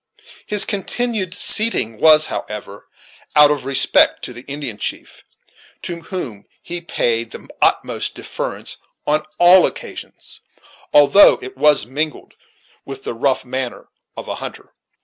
His continuing seated was, how ever, out of respect to the Indian chief to whom he paid the utmost deference on all occasions, although it was mingled with the rough manner of a hunter.